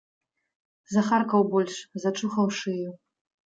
Захаркаў больш, зачухаў шыю.